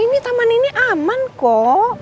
ini taman ini aman kok